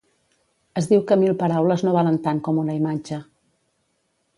Es diu que mil paraules no valen tant com una imatge.